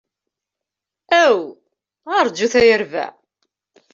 Aw, rjut ay urbaɛ!